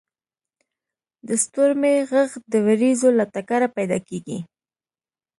• د ستورمې ږغ د ورېځو له ټکره پیدا کېږي.